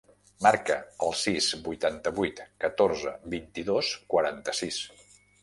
Marca el sis, vuitanta-vuit, catorze, vint-i-dos, quaranta-sis.